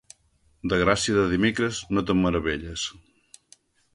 De gràcia de dimecres, no te'n meravelles.